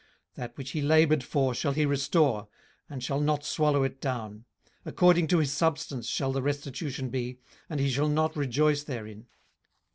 18:020:018 That which he laboured for shall he restore, and shall not swallow it down: according to his substance shall the restitution be, and he shall not rejoice therein.